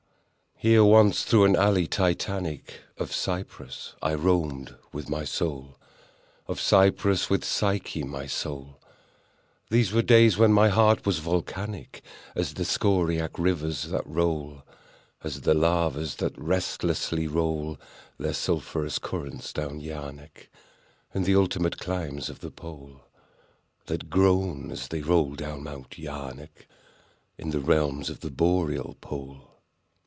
Here once, through an alley Titanic, Of cypress, I roamed with my Soul— Of cypress, with Psyche, my Soul. There were days when my heart was volcanic As the scoriac rivers that roll— As the lavas that restlessly roll Their sulphurous currents down Yaanek, In the ultimate climes of the Pole— That groan as they roll down Mount Yaanek In the realms of the Boreal Pole.